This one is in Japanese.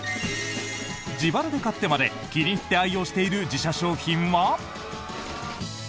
自腹で買ってまで気に入って愛用している自社商品は？